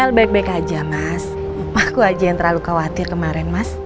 ya baik baik aja mas aku aja yang terlalu khawatir kemarin mas